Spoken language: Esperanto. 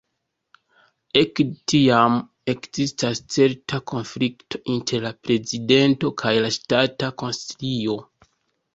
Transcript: Ekde tiam ekzistas certa konflikto inter la prezidento kaj la Ŝtata Konsilio.